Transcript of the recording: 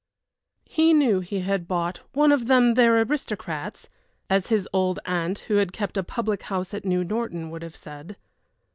He knew he had bought "one of them there aristocrats," as his old aunt, who had kept a public house at New Norton, would have said.